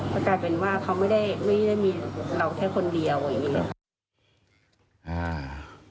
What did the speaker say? ประกาศเป็นว่าเขาไม่ได้มีเราแค่คนเดียวอย่างนี้